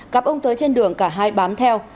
cặp ông tới trên đường cả hai bám theo